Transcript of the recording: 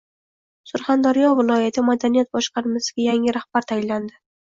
Surxondaryo viloyati madaniyat boshqarmasiga yangi rahbar tayinlandi